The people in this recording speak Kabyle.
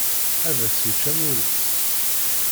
Ad as-yečč amur-is.